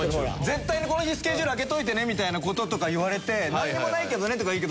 絶対にこの日スケジュール開けといてねみたいな事とか言われて「なんにもないけどね」とか言うけど。